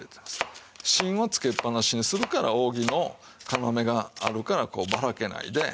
芯をつけっぱなしにするから扇の要があるからこうバラけないで。